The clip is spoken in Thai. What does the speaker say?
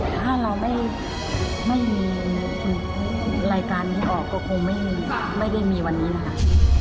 ถ้าเราไม่มีรายการนี้ออกก็คงไม่ได้มีวันนี้นะคะ